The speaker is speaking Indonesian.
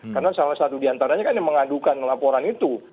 karena salah satu diantaranya kan yang mengandungkan laporan itu